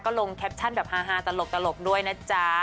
ลงแคปชั่นแบบฮาตลกด้วยนะจ๊ะ